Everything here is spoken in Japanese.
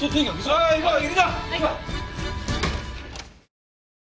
はい。